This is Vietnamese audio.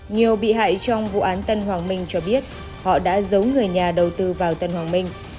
nhiều bị hại trong vụ án tân hoàng minh cho biết họ đã giấu người nhà đầu tư vào tân hoàng minh